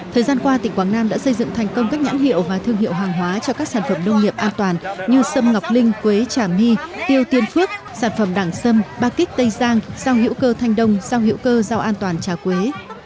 thời gian qua tỉnh quảng nam đã xây dựng thành công các nhãn hiệu và thương hiệu hàng hóa cho các sản phẩm nông nghiệp an toàn như sâm ngọc linh quế trà my tiêu tiên phước sản phẩm đảng sâm ba kích tây giang sau hiệu cơ thanh đông sau hiệu cơ giao an toàn trà quế